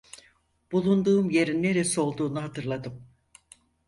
Bulunduğum yerin neresi olduğunu hatırladım.